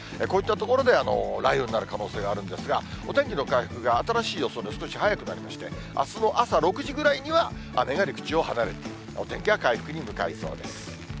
こういった所で、雷雨になる可能性があるんですが、お天気の回復が、新しい予想ですと、少し早くなりまして、あすの朝６時ぐらいには、雨が陸地を離れていく、お天気は回復に向かいそうです。